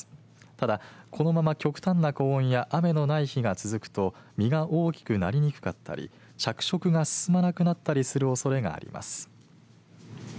ただ、このまま極端な高温や雨のない日が続くと実が大きくなりにくかったり着色が進まなくなったりするおそれがあります。